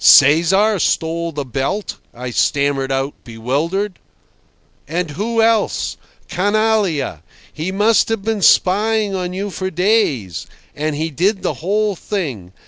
"Cesar stole the belt?" I stammered out, bewildered. "And who else? Canallia! He must have been spying on you for days. And he did the whole thing.